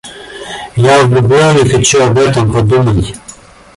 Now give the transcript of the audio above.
Я влюблён и хочу об этом подумать.